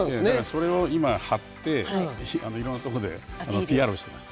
それを今貼っていろんなとこでＰＲをしてます。